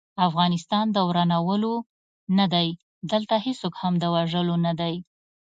افغانستان د ورانولو نه دی، دلته هيڅوک هم د وژلو نه دی